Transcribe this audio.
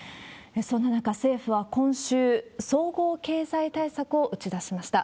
そんな中、政府は今週、総合経済対策を打ち出しました。